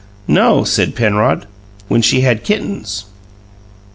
"No," said Penrod; "when she had kittens."